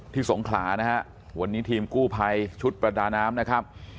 สงขลานะฮะวันนี้ทีมกู้ภัยชุดประดาน้ำนะครับ